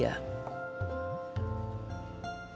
kalaupun kamu gak bisa kesana